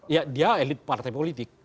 ya dia elit partai politik